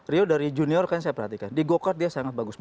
rio dari junior kan saya perhatikan di go kart dia sangat bagus